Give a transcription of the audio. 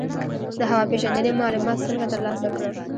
د هوا پیژندنې معلومات څنګه ترلاسه کړم؟